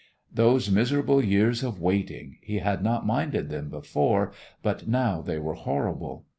Those miserable years of waiting! He had not minded them before, but now they were horrible.